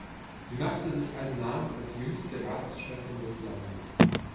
Sie machte sich einen Namen als jüngste Ratschefin des Landes.